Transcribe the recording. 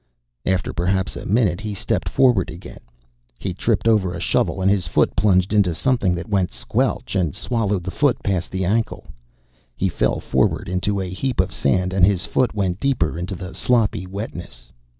After perhaps a minute, he stepped forward again. He tripped over a shovel, and his foot plunged into something that went squelch and swallowed the foot past the ankle. He fell forward into a heap of sand, and his foot went deeper into the sloppy wetness.